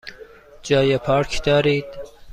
جای پارک دارید؟